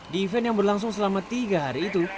di event yang berlangsung selama tiga hari itu